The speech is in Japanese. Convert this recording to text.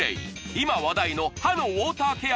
今話題の歯のウォーターケア